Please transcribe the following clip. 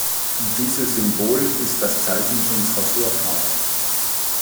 Dieses Symbol ist das Zeichen unserer Vorfahren.